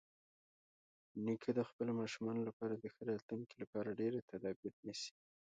نیکه د خپلو ماشومانو لپاره د ښه راتلونکي لپاره ډېری تدابیر نیسي.